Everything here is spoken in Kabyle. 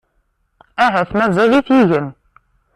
Ahat mazal-it igen.